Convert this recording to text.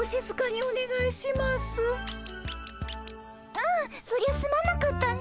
ああそりゃすまなかったね。